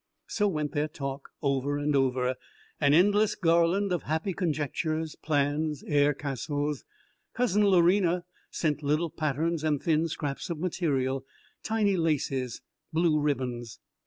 So went their talk, over and over, an endless garland of happy conjectures, plans, air castles. Cousin Lorena sent little patterns and thin scraps of material, tiny laces, blue ribbons.